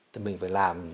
thì mình phải làm